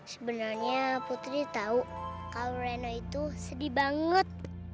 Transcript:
sebenarnya putri tau kalau reno itu sedih banget